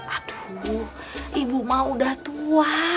aduh ibu mah udah tua